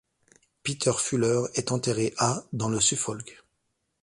Peter Fuller est enterré à dans le Suffolk.